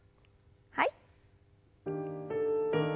はい。